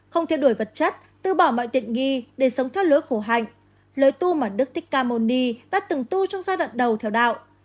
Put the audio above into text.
không thiệt đuổi vật chất tư bỏ mọi tiện nghi để sống theo lối khổ hạnh lối tu mà đức thích ca môn ni đã từng tu trong giai đoạn đầu theo đạo